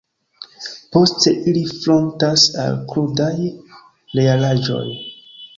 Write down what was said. Poste ili frontas al krudaj realaĵoj.